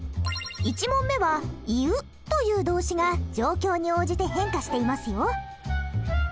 １問目は「言う」という動詞が状況に応じて変化していますよ。